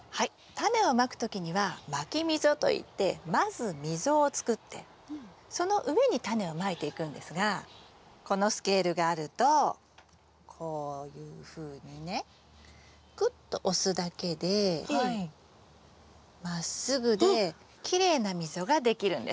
タネをまく時にはまき溝といってまず溝をつくってその上にタネをまいていくんですがこのスケールがあるとこういうふうにねくっと押すだけでまっすぐできれいな溝ができるんです。